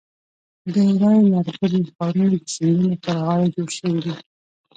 ډېری لرغوني ښارونه د سیندونو پر غاړو جوړ شوي دي.